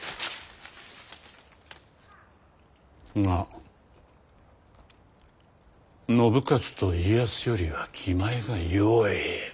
が信雄と家康よりは気前がよい。